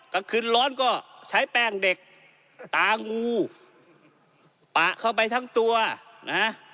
กลางคืนร้อนก็ใช้แป้งเด็กตางูปะเข้าไปทั้งตัวนะฮะ